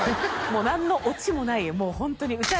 もう何のオチもないもうホントにうち